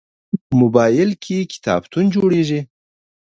موبایل کې کتابتون جوړېږي.